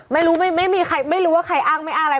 ไม่รู้ไม่มีใครไม่รู้ว่าใครอ้างไม่อ้างอะไร